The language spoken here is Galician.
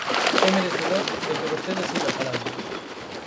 É merecedor de que vostede siga falando.